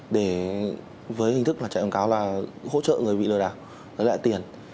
để với hình thức là chạy quảng cáo là hỗ trợ người bị lừa đảo lấy lại tiền